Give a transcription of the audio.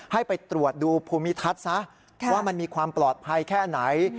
ให้ไปตรวจดูภูมิทัศน์ซะว่ามันมีความปลอดภัยแค่ไหน